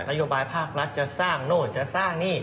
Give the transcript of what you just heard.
โยบายภาครัฐจะสร้างโน่นจะสร้างนี่